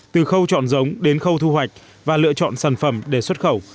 từ khâu chọn giống đến khâu thu hoạch và lựa chọn sản phẩm để xuất khẩu